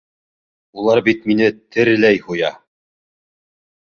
Улар бит мине тереләй һуя!